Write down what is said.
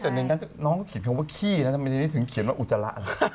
แต่ในนั้นนะน้องเขาเขียนเขียวว่าขี้ทำไมในนี้เขียนว่าอุจจาระ